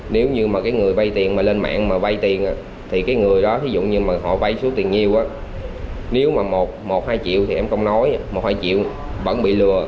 nếu như người vay tiền lên mạng vay tiền người đó vay số tiền nhiều nếu một hai triệu thì em không nói một hai triệu vẫn bị lừa